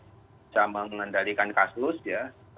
bisa mengendalikan kasus ya